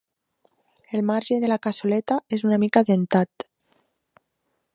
El marge de la cassoleta és una mica dentat.